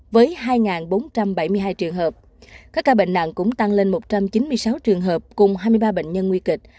với hai bốn trăm bảy mươi hai trường hợp các ca bệnh nặng cũng tăng lên một trăm chín mươi sáu trường hợp cùng hai mươi ba bệnh nhân nguy kịch